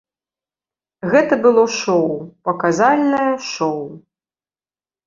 Гэта было шоу, паказальнае шоу.